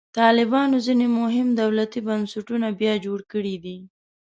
طالبانو ځینې مهم دولتي بنسټونه بیا جوړ کړي دي.